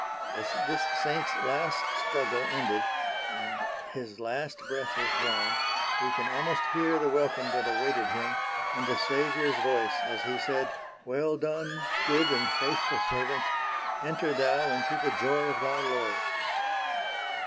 As this saint's last struggle ended and his last breath was drawn, we can almost hear the welcome that awaited him, and the Saviour's voice as He said,—"Well done good and faithful servant—enter thou into the joy of thy Lord."